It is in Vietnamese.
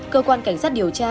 cơ quan cảnh sát điều tra